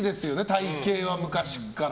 体形は昔から。